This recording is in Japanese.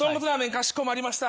かしこまりました。